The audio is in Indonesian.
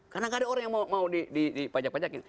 karena tidak ada orang yang mau dipajak pajakin